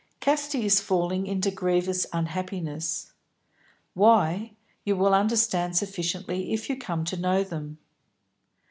Casti is falling into grievous unhappiness why, you will understand sufficiently if you come to know them."